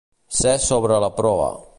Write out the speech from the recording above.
Ser sobre la proa.